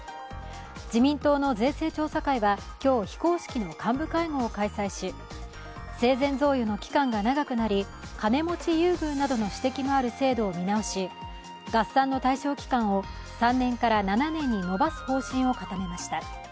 自民党の税制調査会は、今日非公式の幹部会合を開催し生前贈与の期間が長くなり、金持ち優遇などの指摘もある制度を見直し、合算の対象期間を３年から７年に延ばす方針を固めました。